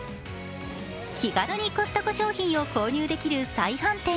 気軽にコストコ商品を購入できる再販店。